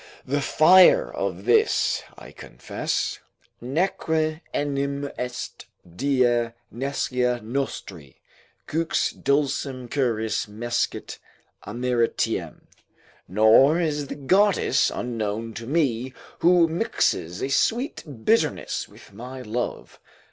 The fire of this, I confess, "Neque enim est dea nescia nostri Qux dulcem curis miscet amaritiem," ["Nor is the goddess unknown to me who mixes a sweet bitterness with my love."